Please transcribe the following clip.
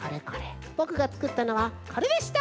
ぼくがつくったのはこれでした！